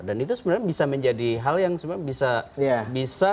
dan itu sebenarnya bisa menjadi hal yang sebenarnya bisa kemudian jadi tawaran untuk kita ya